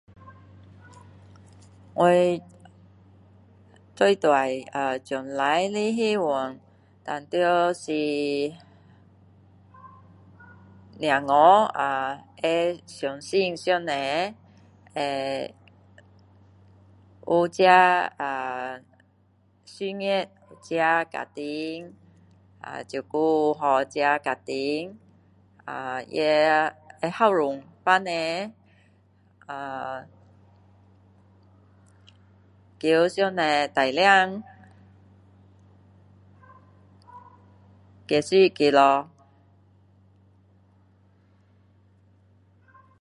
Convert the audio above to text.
我大大呃将来的希望当然是孩子啊会相信上帝会有自己啊立业自己家庭照顾好自己家庭啊也会孝顺父母呃求上帝带领继续祷告